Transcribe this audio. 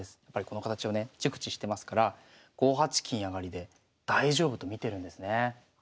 やっぱりこの形をね熟知してますから５八金上で大丈夫と見てるんですね。